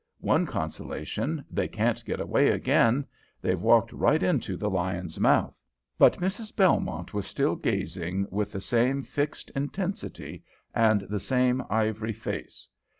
One consolation, they can't get away again. They've walked right into the lion's mouth." But Mrs. Belmont was still gazing with the same fixed intensity and the same ivory face.